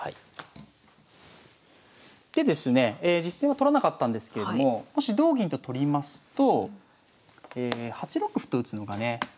実戦は取らなかったんですけれどももし同銀と取りますと８六歩と打つのがね